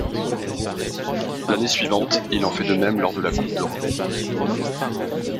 L'année suivante, il en fait de même lors de la Coupe d'Europe.